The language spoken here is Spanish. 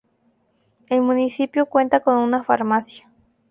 El municipio cuenta con una farmacia.